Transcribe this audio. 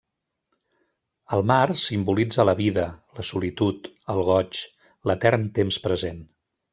El mar simbolitza la vida, la solitud, el goig, l'etern temps present.